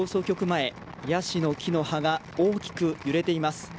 前、ヤシの木の葉が大きく揺れています。